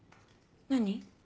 何？